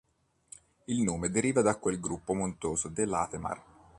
Il nome deriva da quello del gruppo montuoso del Latemar.